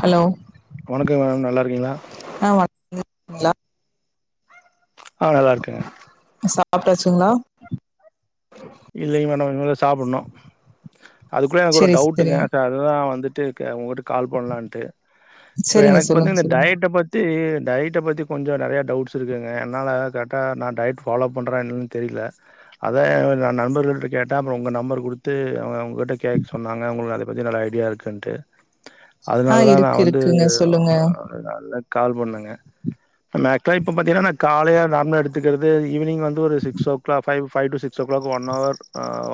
Hello வணக்க மே நல்லாருக்கீங்களா அ [inaudible] கிங்களா ஆ நல்லா இருக்கேங்க சாப்ட்டாச்சுங்ளா இல்லேங் மேடோ இனிமே தா சா சாப்புனு அதுக்குள்ள எனக்கு ஒரு செரி டவுட்டுங்க செரிங்க அக்கா அதுதா வந்துட்டு க உங்கட்டு கால் பண்ணலான்ட்டு இப்ப செரிங்க எனக்கு பந்து சொல்லுங்க இந்த சொல்லுங்க டயட்ட பத்தி டயட் [unintelligible] பத்தி கொஞ்சோ நெறைய டவுட்ஸ் இருக்குங்க அதுனால கரேட்டா நா டயட் ஃபாலோ பண்றேனா என்னனு தெரில அத நா நண்பர்களுகிட்ட கேட்ட அப்றோ உங்க நம்பர் குடுத்து அவ அவங்ட்ட கேக்க சொன்னாங்க உங்களுக்கு அத பத்தி நல்ல ஐடியா இருக்குன்ட்டு ஆ அதனாலதா நா இருக்கு வந்து இருக்குங்க சொல்லுங்க நல்ல கால் பண்ணுங்க [unintelligible] இப்ப பத்திங்ன்னா காலையார் நார்மலா எடுத்துகுறது ஈவ்வினிங் வந்து ஒரு சிக்ஸோ Klopp five five to six one hour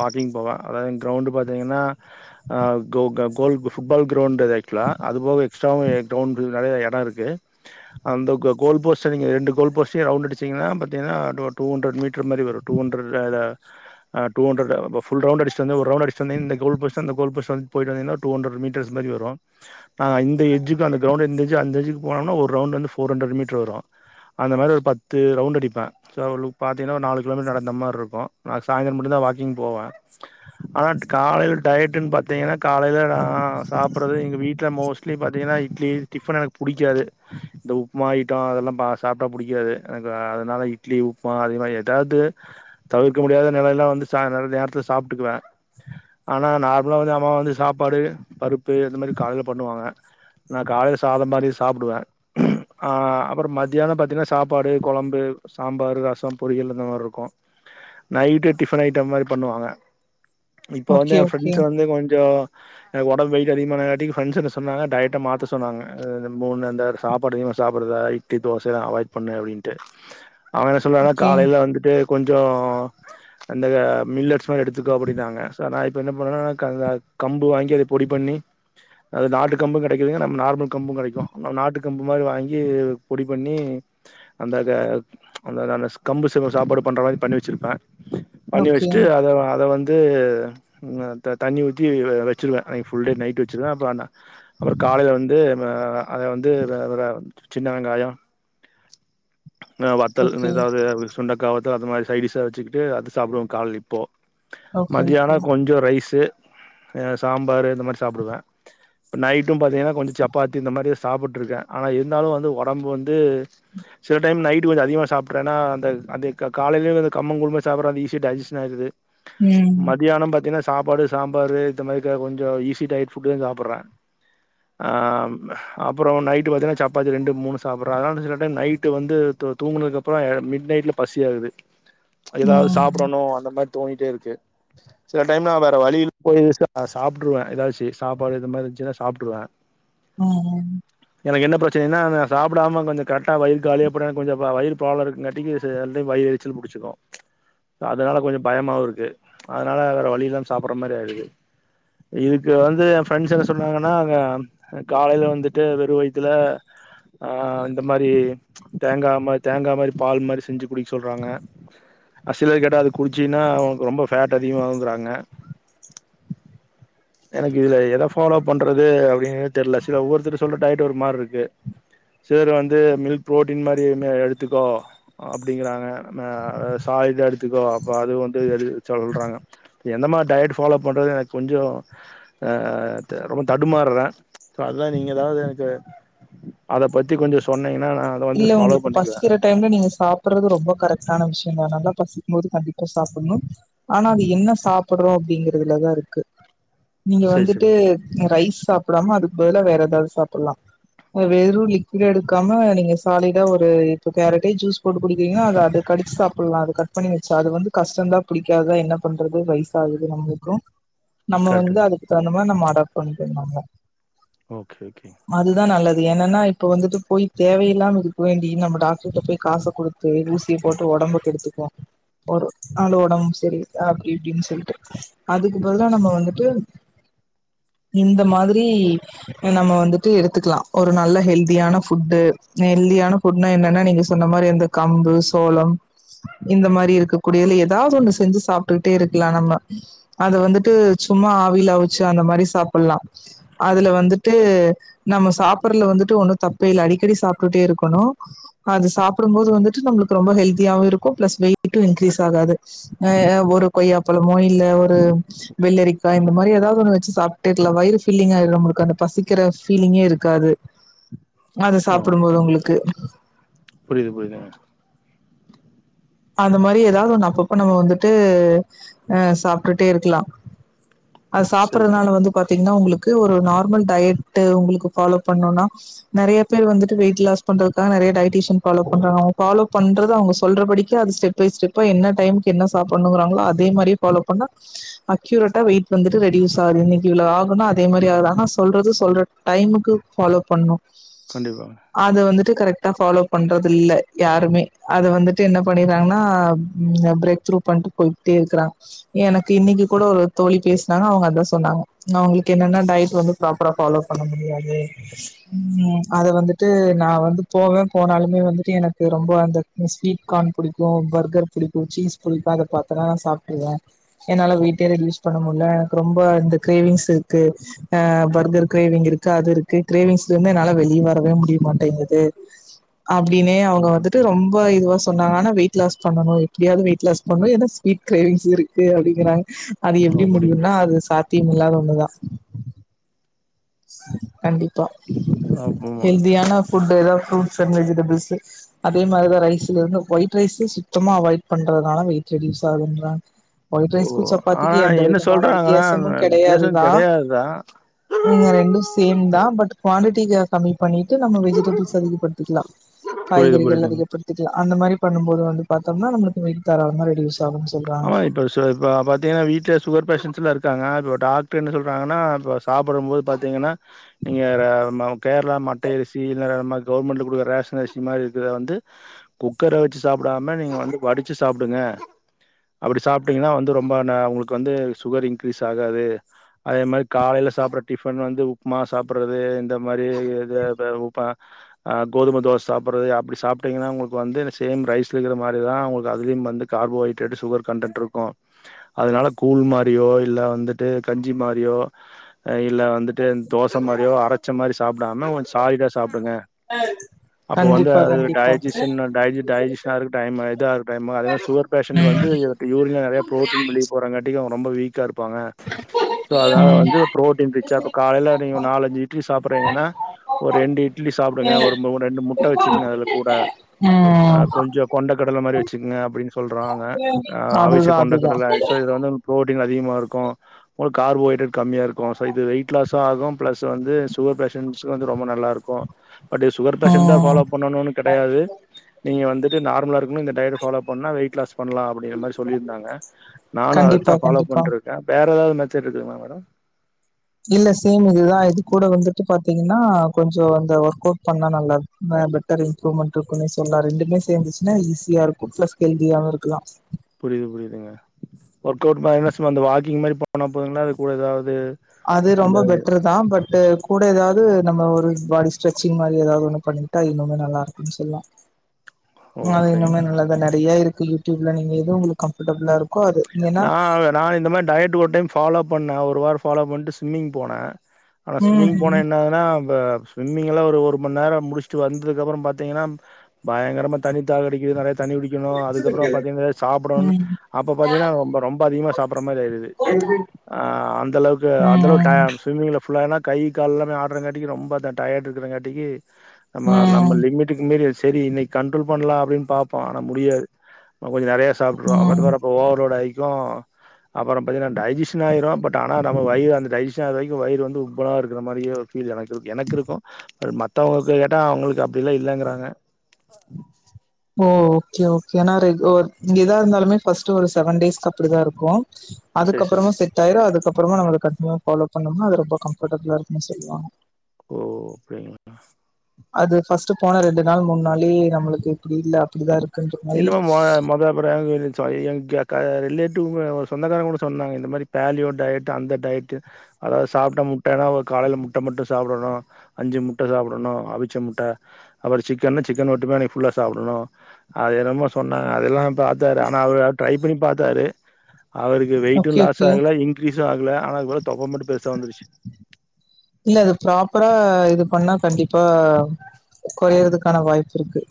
walking போவே அதாவது கிரௌண்டு பாத்தீங்கன்னா அ கோ கோல் ஃபுட் பால் கிரௌண்டு ஆக்ச்சுவலா அதுப்போக எக்ஸ்ட்ராவூ கிரௌண்டு நெறைய எடோ இருக்கு அந்த கோ கோல் போஸ் நீங்க ரெண்டு கோல் போஸையு ரவ்ண்டுஅடிச்சீங்கனா பாத்திங்கனா two two hundred meet rim மாரி வரு டூ ஹண்டரட் [unintelligible] அ டூ ஹண்ரடு ஃபுல் ரவ்ண்டு அடுச்சுட் வந்து ஒரு ரவ்ண்டு அடுச்சு வந்து இந்த கோல்போஸு அந்த கோல்போஸு வந்து போயிட்டு வந்தீங்கன்னா டூ ஹண்ட்ரட் மீட்டர்ஸ் மாரி வரு நாங்க இந்த எஜ்ஜுக்கு அந்த கிரௌண்டு இந்த எஜ்ஜீ அந்த எஜ்ஜுக்கு போனோம்னா ஒரு ரவுண்டு வந்து ஃபோர் ஹண்ட்ரட் மீட்டரு வரு அந்த மாரி ஒரு பத்து ரவ்ண்டு அடிப்பே சோ அவ்ளோக் பாத்தீங்கன்னா ஒரு நாலு கிலோ மீட்டர் நடந்த மாரி இருக்கு நா சாய்ந்தரோ மட்டு தா வாக்கிங் போவே ஆனா காலைல டயட்டுன்னு பாத்திங்கன்னா காலைல நா நா சாப்புடுறதே எங்க வீட் ட்ல மோஸ்ட்லி பாத்தீங்கன்னா இட்லி டிஃபன் எனக்கு புடிக்காது இந்த உப்புமா ஐட்டோ அதெல்லா சாப்ட புடிக்காது எனக்கு அதனால இட்லி உப்புமா அதே மாரி எதாது தவிப் க்க இருக்க முடியாத நெலயெல்லா வந்து சாந்தரோ நேரத்துல சாப்ட்டுக்குவே ஆனா நார்மலா வந்து அம்மாவ வந்து சாப்பாடு பருப்பு இந்த மாரி காலைல பண்ணுவாங்க நா காலைல சாத மாரி சாப்புடுவே அப்புறோ மதியானோ பாத்தீங்கன்னா சாப்பாடு கொழம்பு சாம்பார் ரசோ பொறியல் இந்த மாரி இருக்கு நைட்டு டிஃபன் ஐட்டம் மாரி பண்ணுவாங்க இப்ப வந்து ஓகே ஓகே ஃப்ரண்ட்ஸ் வந்து கொஞ்சோ எனக் ஒர்க் வெயிட் அதிகமானட்டின் வஞ்சுன் சொன்னாங்க டயட்ட மாத்த சொன்னாங்க அது மூணு அந்த சாப்பாடு அதிகமா சாப்படுறா இட்லி தோசைல்லா அவாய்ட் பண்ணு அடின்ட்டு அவ சொல்றான்னா ஓகே காலையில வந்துட்டு கொஞ்சோ அந்த மில்லட்ஸ் மாரி எடுத்துக்கோ அப்டின்னாங்கோ நா இப்போ என்ன பண்ணே அந்த கம்பு வாங்கி அதை பொடி பண்ணி அது நாட்டு கம்பும் கெடைக்கதுங்க நம்ம நார்மல் கம்பும் கெடைக்கு நாட்டு கம்பு மாரி வாங்கி பொடி பண்ணி அந்தந்த அந்தந்த த கம்பு சாப்பாடு பண்ற மாரி பண்ணி வச்சிருப்பே பணி ஓகே வச்சுட்டு அத அத வந்து து தண்ணி ஊத்தி வ வச்சிருவே அன்னைக்கி புல் டே நைட் அப்புற அந்த அப்றோ காலைல வந்து ஆ அத வந்துட சின்ன வெங்காய ஆ வார்த்தல் ஓகே ஏதாவது சுண்டக்காவத்த அது மாரி சைட் டிஸ்ஸ வச்சு ட்டு அது சாப்டுவோ கால் இப்போ ஓகே மதியான ஓகே கொஞ்ச ரைஸு ஆ சாம்பார்ரு இந்த மாரி சாப்பிடுவே இப்ப நைட்டு பாத்தீங்கன்னா கொஞ்ச சப்பாத்தி இந்த மாரி சாப்பிட்ருக்கே ஆனா இருந்தாலு வந்து ஒடம்பு வந்து சில டைம் நைட்டு் கொஞ்ச அதிகமா சாப்பிடுறே ஏன்னா அந்த அந்த காலையிலயு அந்த கம்மம் குழும சப்புறோ ஈஸியா டஜஸ்ஸன் ஆகுது ம் மதியான பாத்தீங்ன்னா சாப்பாடு சாம்பாரு இந்த மாரி கொஞ்ச ஈஸி டயட் ஃபுட்டு் தா சாப்பிட்றே ஆம் அப்புற நைட்டு பாத்தீங்கன்னா சப்பாத்தி ரெண்டு மூணு சாப்பிட்றே அதனால சில டைம் நைட்டு வந்து தூ தூங்குனதுக்கப்புற அ மிட் நைட்ல பசி ஆகுது ஏதாவது ம் சாப்பிடணும் அந்த மாரி தோங்கிட்டே இருக்கு சில டைம்லா வேற வழியி [inaudible] போய் சாப்ட்டுருவே ஏதாச்சு சாப்பாடு இந்த மாரி இருந்துச்சுன்னா சாப்ட்டுருவே ம் ம் எனக்கு என்ன பிரச்சனைனா சாப்பிடாம கொஞ்ச கர அ வயிறு காலியா போட்டா எனக் கொஞ்சோ வ வயிறு பால இருக்ங்காட்டிக்கு ச ரெண்டியு வயிற் எரிச்சல் புடிச்சுக்கு ச அதனால கொஞ்சோ பயமாவு இருக்கு அதனால வேற வழி இல்லாம் சாப்பற மாரி ஆயிடுது இதுக்கு வந்து எ ஃப்ரெண்ட்ஸ் என்ன சொன்னாங்கன்னா அங்க காலையில வந்துட்டு வெறு வயித்துல அ இந்த மாரி தேங்கா ம தேங்கா மாரி பால் மாரி செஞ்சு குடிக் சொல்றாங்க அ சிலது கேட்டா அது குடிச்சினா உனுக்கு ரொம்ப ஃபேட் அதிகமாகுங்கறாங்க எனக்கு இதுல எத ஃபாலோ பண்றது அப்டினே தெர்ல சில ஒவ்வொருத்தர் சொல்ற டயட் ஒரு மார்ருக்கு சிலர் வந்து மில்க் புரோட்டீன் மாரி மெ எடுத்துக்கோ அப்டிங்கறாங்க மெ சா இத எடுத்துக்கோ அப்போ அது வந்து எடு சொல்றாங்க எந்த மார் டயட்டு ஃபாலோ பண்றதுன் எனுக் கொஞ்சோ அ த ரொம்ப தடுமார்றே சோ அத நீங்க எதாவ்து எனக்கு அத பத்தி கொஞ்சொ சொன்னீங்க இல்ல உங்குளுக்கு பசிக்கிற டைம்ல நீங்க சாப்பட்றது ரொம்ப கரெக்டான விஷ் யந்தா நல்லா பசிக்ம்போது கண்டிப்பா சாப்புண்ணு ஆனா அது என்ன சாப்பட்றோ அப்டிங்கறதுலதா இருக்கு நீங்க செரி வந்துட்டு செரி அ ரைஸ் சாப்டாம அதுக் பதிலா வேற எதாவ்து சாப்பல்லா அ வெறு லிக்விட் எடுக்காம நீங்க சாலிடா ஒரு இப்போ கேரட்டே ஜூஸ் போட்டு குடிக்கிறீங்கன்னா அத அது கடிச்சு சாப்பல்லா அது கட் பண்ணி வெச்சா அது வந்து கஷ்டந்தா புடிக்காதா என்ன பண்றது வய்சு ஆகுது நம்புளுக்கு நம்ம வந்து கரெக்ட்டுங்க அதுக்கு தவுந்த [unintelligible] பண்ணிட்டு இருந்தாங்க ஓகே ஓகேங் என்னன்னா இப்ப வந்துட்டு போய் தேவையில்லாம துக்கு வேண்டி நம்ம டாக்ட்ருட்ட போய் காச குடுத்து ஊசிய போட்டு ஒடம்ப கெடுத்துக்வோ ஒரு நாளு ஒடம் செரி இல்ல அப்டி இப்டின் சொல்ட்டு அதுக்குப்பிறதா நம்ம வந்துட்டு இந்த மாதிரி அ நம்ம வந்துட்டு எடுத்துக்லா ஒரு நல்ல ஹெல்தியான ஃபுட்டு நெல்தியான ஃபுட்னா என்னன்னா நீங்க சொன்ன மாரி அந்த கம்பு சோளம் இந்த மாரி இருக்கக்கூடிய இல்ல எதாவ்து ஒண்ணு செஞ்சு சாப் ட்டுக்ட்டே இருக்லா நம்ம அத வந்துட்டு சும்மா ஆவில ஆவுச்சு அந்த மாரி சாப்பல்லா அதுல வந்துட்டு நம்ம சாப்பர்ல்ல வந்துட்டு ஒன்னு தப்பே இல்ல அடிக்கடி சாப் ட்டுட்டேருக்கணு அது சாப்டும் போது வந்துட்டு நம்புளுக்கு ரொம்ப ஹெல்த்தியாவு இருக்கு பிளஸ் வெயிட்டு இன்க்ரீஸ் ஆகாது அ ஒரு கொய்யா பழமோ இல்ல ஒரு வெள்ளரிக்காய் இந்த மாரி எதாவ்து ஒன்னு வெச்சி சாப்ட்டுக்கலா வயிறு ஃபில்லிங் ஆகாம இருக்கு அந்த பசிக்கிற ஃபீலிங்கே இருக்காது அதுஸ் ஓ ப்படும்போது உங்குளுக்கு புரியுது புரியுதுங்க அந்த மாரி எதாவது ஒன்னு அப்பப்ப நம்ம வந்துட்டு அ சாப்ட்டுட்டே இருக்லா அது செரி செரி சாப்பட்றதுனால வந்து பாத்தீங்ன்னா உங்குளு க்கு ஒரு நார்மல் டையட்டு உங்குளுக்கு ஃபாலோ பண்ணுன்னா நறைய பேரு வந்துட்டு வெயிட் லாஸ் பண்றதுக்காக நறைய டையட்டீஷன் ஃபாலோ பண்றாங்க அவுங்க ஃபாலோ பண்றது அவுங்க சொல்ற படி க்கி அது ஸ்டெப் பை ஸ்டெப்பா என்ன டைம்க்கு என்ன சாப்பண்ணுங்கறாங்ளோ அதே மாரியே ஃபாலோ பண்ணா அக்யூரட்டா வெயிட் வந்துட்டு ரெடியூஸ் ஆகுது இன்னிக்கி இவ்ளோ ஆகுன்னா அதே மாரி ஆகுது ஆனா சொல்றது சொல்ற டைமுக்கு ஃபாலோ பண்ணு கண்டிப்பாங்க ட்டு கரெக்ட்டா ஃபாலோ பண்றதில்ல யாருமே அத வந்துட்டு என்ன பண்ணிறாங்ன்னா ம் பிரேக் த்ரூ பண்ட்டு போயிட்டேருக்றா எனக்கு இன்னிக்கு கூட ஒரு தோழி பேசுனாங்க அவுங்க அத்தா சொன்னாங்க நா உங்ளுக்கு என்னன்ன டயட் வந்து ப்ராப்பரா ஃபாலோ பண்ண முடியாது ம் அத வந்துட்டு நா வந்து போவே போனாலுமே வந்துட்டு எனக்கு ரொம்ப அந்த க்ன் ஸ்வீட் கா புடிக்கு பர்கர் புடிக்கு சீஸ் புடிக்கு அத பாத்தனா நா சாப்ட்ருவே என்னால வெய்ட்டே ரெட்யூஸ் பண்ண முல்ல க்கு ரொம்ப இந்த கிரேவிங்ஸ் இருக்கு அ பர்கர் கிரேவிங் இருக்கு அது இருக்கு கிரேவிங்ஸ்லந்து என்னால வெளிய வரவே முடிய மாட்டேங்கிது அப்டின்னே அவுங்க வந்துட்டு ரொம்ப இதுவா சொன்னாங்க ஆனா வெயிட் லாஸ் பண்ணணு எப்படியாவ்து வெயிட் லாஸ் பண்ணு ஏனா ஸ்வீட் கிரைவிங்ஸ் இருக்கு அப்டிங்கிறாங் அது எப்டி அப்படி முடியுனானா அது சாத்திய நில்லாத ஒண்ணுதா கண்டி பா ஆமா ஹெல்தியான ஃபுட்டு எதா ஃப்ரு ட்ஸ் அன் வெஜிடபிள்ஸு அதே மாரிதா ரைஸ்லருந்து ஒயிட் ரைஸு சுத்தமா அவாய்ட் பண்றதுனால வெயிட் ரெடியூஸ் ஆகுதுன்றாங் ஓ ஆனா என்ன சொல்றாங்கனா வ வித்தியாசமும் வித்தியாசம் கிடையாதுதான் கெடையாதுதா ண்டு சேம் தா பட் குவாண்டிட்டி க கமி பண்ணிட்டு நம்ம வெஜிடபிள்ஸ் அதிகப்படுத்திக்லா புரியுது காய்கறிகள் புரியுதுங்க அதிகப்படுத்திக்லா அந்த மாரி பண்ணும் போது வந்து பாதோம்னா நம்ளுக்கு [unintelligible] தாராளமா ரெடியூஸ் ஆகும்னு சொல்றாங்க ஆமா இப்ப சே ப பாத்தீங்கன்னா வீட்லே சுகர் பேஷன்ஸ்லா இருக்காங்க அது டாக்டர் என்ன சொல்றாங்கன்னா இப்ப சாப்ட போது பாத்தீங்கன்னா நீங்க கேர்ளா மட்டய அரிசில மாதிரி கவுர்மெண்ட்ல குடுக்குற ரேஷன் அரிசி மாரி இருக்கத வந்து குக்கர வச்சி சாப்டாம நீங்க வந்து வடிச்சி சாப்டுங்க அப்டி சாப்ட்டீங்கன்னா வந்து ரொம்ப ந ஒங்களுக்கு வந்து சுகர் இன்கிரீஸ் ஆகாது அதே மாரி காலைல சாப்பட்ற டிஃபன் வந்து உப்மா சாப்பட்றது இந்த மாரி இது அது உப்மா கோதும தோச சாப்பறது அப்டி சாப்ட்டீங்கன்னா ஒங்ளுக்கு வந்து சேம் ரைஸ் வக்கிற மாரிதா ஒங்ளுக்கு அதுலயு வந்து கார்போஹைட் அடுத்தது சுகர் கன்டென்ட் இருக்கு அதனால கூழ் மாரியோ இல்ல வந்துட்டு கஞ்சி மாரியோ இல்ல வந்துட்டு தோச மாரியோ அரச்ச மாரி சாப்டாம கொஜ்ஜோ சாலிடா சாப்டுங்க அப்ப வந்து கண்டிப்பா கண்டிப்பா டயஜிஷின் டயஜி டயஜிஷனா இருக்டு டைம் இது சுகர் வந்து வந்து ம் இப்ப [unintelligible] நெறையா [unintelligible] போறாங்காட்டி அவெ ரொம்ப வீக்கா இருக் பாங்க சோ அதனால வந்து ப்ரோட்டின் கிச்சாகு காலைல நீங்க நாலஞ்சு இட்லி சாப்பறீங்கன்னா ஒரு ரெண்டு இட்லி சாப்டுங்க ஒரு ரெண்டு முட்ட வச்சுக்ங்க அதுல கூட ம் கொஞ்ஜோ கொண்ட கடல மாரி வச்சுகங்க அப்டின்னு சொல் வாங்க அவிச்ச அதுதான் அதுதான் கொண்டக்கடல ஆக்சுவ்லா இது வந்து ப்ரோட் அதிகமா இருக்கு ஒங்ளுக் கார்போ ஹைட்ரேட் கம்மிய இருக்கும் சோ இது வெயிட் லாஸு ஆகு ப்ளஸ் வந்து சுகர் பேஷண்ட் [unintelligible] ரொம்ப நல்லாருக்கு பட் சுகர் பேஷண்ட் தா ஃபாலோ ம் பண்ணனுன் கெடையாது நீங்க வந்து நார்மலா இருக் இன்னோ இந்த டையட்ட ஃபாலோ பண்ணா வெய்ட் க்ளாஸ் பண்லா அப்டிங்கற மாரி சொல்லிருந்தாங்க நானு அத தா கண்டிப்பா ஃபாலோ கண்டிப்பா. பண்ருக்கே வேற என்ன தெரிதுங்ளா மேடம் இல்ல சார் நிலா இது கூட வந்துட்டு பாத்தீங்கன்னா கொஞ்ஜோ அந்த ஒர்க் அவுட் பண்ணா நல்லது பெட்டர் இம்ப்ரூவ்மெண்ட் இருக்குன்னே சொல்லா ரெண்டுமே சேந்துச்சுன்னா ஈஸியா இருக்கு ப்ளஸ் ஹெல்தியாவு இருக்லா புரியுது புரியுதுங்க ஒர்க் அவுட் சும்மா அந்த வாக்கிங் மாரி போனா போதுங்ளா அது கூட எதாவது அது ரொம்ப பெட்ரு தா பட்டு கூட எதாவது நம்ப ஒரு பாடி ஸ்டெச்சிர் மாரி எதாவது ஒன்னு பண்ணிகிட்டா இன்னுமே நல்லா இருக்குன்னு சொல்லாம் ஓ அது அப்டிங்களா இன்னமாரி நல்லதா நெறையா இருக் யூட்டூப்ல நீங்க எது ஒங்ளுக்கு கம்ஃபர்ட்டபுலா இருக் ஆ நா இந்த மாரி டயட் ஒருடைம் ஃபாலோ பண்ணே ஒரு வாரோ ஃபாலோ பண்ட்டு ஸிம்மிங் போனே ஆனா ம் ஸிவிம்மிங் போனா ம் என்ன ஆவ்துனா ஸிவிம்மிங் எல்லா ஒரு ஒருமண் நேரோ முடிச்சுட்டு வந்ததுக்கப்றோ பாத்தீங்கன்னா பயங்கரமா தண்ணி தாக அடிக்கிது நெறையா தண்ணிகுடிக்கனு அதுக்கப்றோ பாத்தீங்க சாப்டனு ம் அப்ப பாத்தீங்கன்னா ரொம்ப அதிகமா சாப்பட்ற மாரி ஆயிருது ம்ச் அந்த அளவுக்கு அந்த அளவுக்கு ம் டயம் ஸ்விம்மிங்ல ஃபுல்லானா கை கால் எல்லாமே ஆட்றங்காட்டிக்கு ரொம்ப அந்த டயர்ட் இருக்றங்காட்டிக்கு நம்ப நம்ப ம் லிமிட்டுக்கு மீறி செரி இன்னிக் கண்ட்ரோல் பண்ணலா அப்டின்னு பாப்போ ஆன முடியாது கொஞ்ஜ நெறையா சாப்ட்ருவோ ம் ம் [unintelligible] ஓவர் லோட் ஆகி அப்பறம் அப்பறம் பாத்தீங்கன்னா டைஜஸன் ஆயிரும் பட் ஆனா நம்ம வயிறு அந்த டைஜஸ்டின் அவர வரைக்கும் வயிறு வந்து உப்பலா இருக்கிற மாதிரி ஃபீல் எனக்கு. எனக்கு இருக்கும் மத்த த்தவங்கலுக்கு கேட்டா அவுங்களுக்கு அப்டிலாம் இல்லலைங்கிறாங்க ஓ ஓகே ஓகே ஆனா ரெ ஒ எதா இருந்தாலுமே ஃபஸ்ட்டு ஒரு செவன் டேஸ்க்கு அப்டிதான் இருக்கும் சரி சரி அதுக்கப்பறமா செட் ஆயிரும் அதுக்கப்பறம் அப்பறமா நம்ம கண்டினுவ ஃபாலோ பண்ணோம்ன அது ரொம்ப கம்ஃபட்டபுலா இருக்குன்னு சொல்லாங்க ஓ அப்டிங்களா அது ஃபர்ஸ்ட் போன ரெண்டு நாள் மூணு நாள்ளே நம்மளுக்கு இப்டி இல்ல அப்டிதான் இருக்கும் [unintelligible] க ரிலேட்டிவ் ஒரு சொந்தக்காரன் கூட சொன்னாங்க இந்த மாதிரி பேலியோ டயட் அந்த டயட் அதாவது சாப்பிட்ட முட்டன்னா ஒரு காலையில முட்ட மட்டும் சாப்பிடணும் அஞ்சு முட்ட சாப்பிடணும் அவிச்ச முட்ட அப்பறம் சிக்கனா சிக்கன் மட்டுமே அன்னைக்கு ஃபுல்லா சாப்டணும் அது ரொம்ப சொன்னாங்க அதெல்லாம் பாத்தாரு ஆன அவர் ட்ரை பண்ணி பார்த்த தாரு அவருக்கு வெயிடிட்டும் ஓகே லாஸ் ஓகே ஆகல இங்கிரீஸும் ஆகல ஆனா அதுக்கப்பறம் தொப்ப மட்டும் பெருசா வந்துருச்சு இல்ல இது ப்ராப்பரா இது பண்ணா கண்டிப்பா கொறையறதுக்கான வாய்ப்பு இருக்கு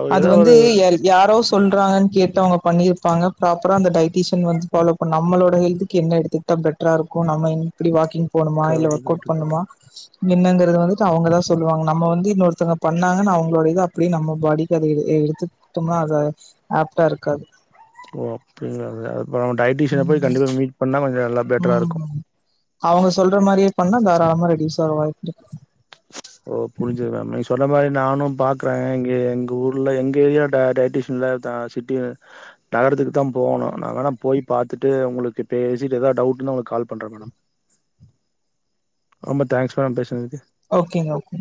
அவர் அது ஏதோ வந்து ஒரு யா யாரோ சொல்றாங்கன் கேட்டு அவுங்க பண்ணியிருப்பாங்க ப்ராப்பரா அந்த டைட்டிஷன் வந்து ஃபாலோ பண்ண நம்மளோட ஹெல்த்து என்ன எடுத்துட்டா பெட்டரா இருக்கும் நம்ம இப்டி வாக்கிங் போணுமா இல்ல correct work out correct correct பண்ணுமா என்னங்கிறது வந்துட்டு அவுங்கதான் சொல்லுவாங்க நம்ம வந்து இன்னொருத்தவங்க பண்ணாங்கனு அவுங்களோடைய இத அப்டியே நம்ம பாடி அத எ எடுத்துட்டோம்னா அத ஆப்டா இருக்காது ஓப்பன்னல பா டயட்டீஷின போய் கண்டிப்பா மீட் பண்ணா கொஞ்சம் நல்லா பெட்டரா இருக்கும் ம் அவுங்க சொல்ற மாறியே பண்ணா தாராளம ரெடி உசாராய்ட்டு ஓ புரிஞ்சது மேம் நீ சொன்ன மாரி நானும் பாக்குறேன் இங்க எங்க ஊர்ல எங்க ஏரியா டைட்டீஷின்ல தா சிட்டி நகரத்துக்கு தான் போகணும் நான் வேணா போய் பாத்துட்டு உங்களுக்கு பேசிட்டு ஏதாவது டவுட்னா உங்களுக்கு கால் பண்றேன் மேடம் ரொம்ப தேங்க்ஸ் மேம் பேசுனதுக்கு ஓகேங்க ஓகே